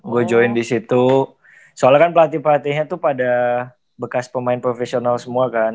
gue join di situ soalnya kan pelatih pelatihnya tuh pada bekas pemain profesional semua kan